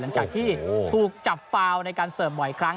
หลังจากที่ถูกจับฟาวในการเสิร์ฟบ่อยครั้ง